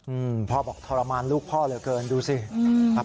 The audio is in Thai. อืมพ่อบอกทรมานลูกพ่อเหลือเกินดูสิครับ